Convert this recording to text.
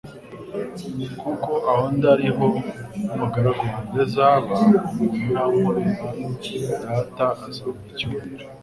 kuko aho ndi ariho n'umugaragu wanjye azaba: umuntu nankorera Data azamuha icyubahiro."